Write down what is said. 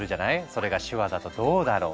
それが手話だとどうだろう。